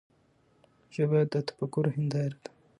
ژبه د تفکر هنداره ده.